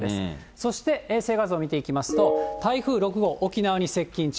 そして、衛星画像見ていきますと、台風６号、沖縄に接近中。